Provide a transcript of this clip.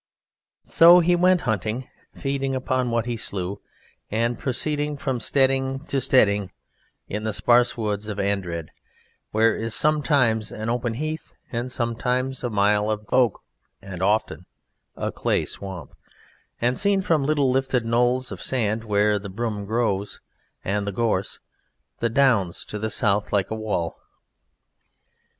So he went hunting, feeding upon what he slew, and proceeding from steading to steading in the sparse woods of Andred where is sometimes an open heath, and sometimes a mile of oak, and often a clay swamp, and, seen from little lifted knolls of sand where the broom grows and the gorse, the Downs to the south like a wall.